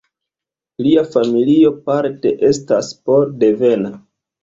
Lia familio parte estas pol-devena.